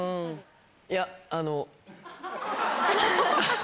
いやあの。